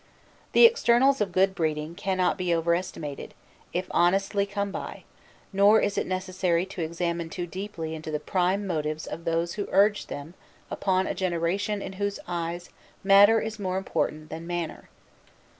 The externals of good breeding cannot be over estimated, if honestly come by, nor is it necessary to examine too deeply into the prime motives of those who urge them upon a generation in whose eyes matter is more important than manner.